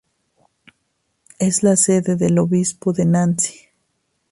Es la sede del obispo de Nancy.